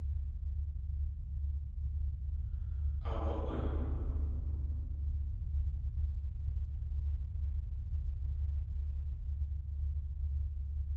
Aawa.ún.